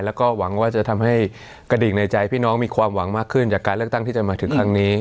แล้วก็หวังว่าจะทำให้กระดิกในใจพี่น้องมีความหวังมากขึ้นจากการเลือกตั้งที่จะมาถึงครั้งนี้